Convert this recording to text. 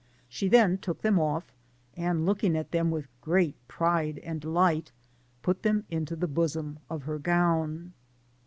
She then took them off, and looking at them with great pride and delight, put them into the bosom of het gown.